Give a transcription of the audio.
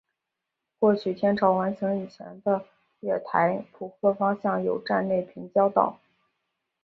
过去天桥完成以前的月台浦贺方向有站内平交道。